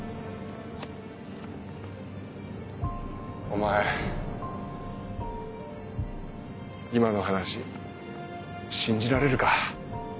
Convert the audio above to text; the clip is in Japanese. お前今の話信じられるか？